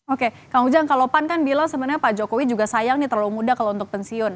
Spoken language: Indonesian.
oke kang ujang kalau pan kan bilang sebenarnya pak jokowi juga sayang nih terlalu muda kalau untuk pensiun